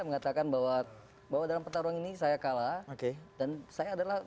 mengatakan bahwa dalam pertarungan ini saya kalah